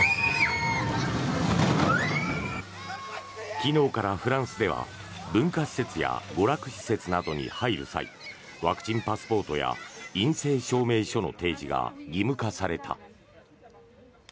昨日からフランスでは文化施設や娯楽施設などに入る際ワクチンパスポートや陰性証明書の提示が義務化された。